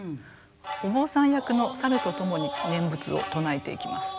お坊さん役の猿と共に念仏を唱えていきます。